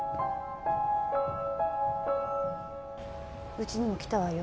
うちにも来たわよ